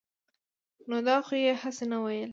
نو دا خو يې هسې نه وييل -